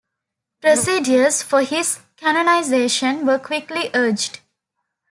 Procedures for his canonization were quickly urged.